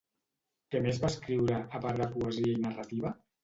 Què més va escriure, a part de poesia i narrativa?